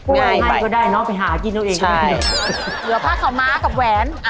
กล้วยให้ก็ได้น้องไปหากินก็เอง